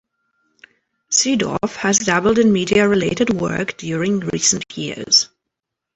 Seedorf has dabbled in media-related work during recent years.